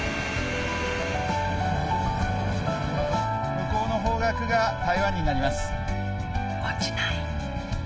向こうの方角が台湾になります。